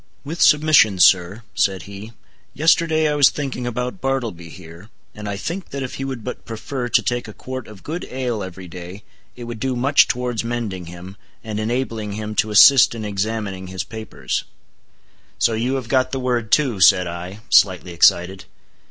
"With submission, sir," said he, "yesterday I was thinking about Bartleby here, and I think that if he would but prefer to take a quart of good ale every day, it would do much towards mending him, and enabling him to assist in examining his papers." "So you have got the word too," said I, slightly excited.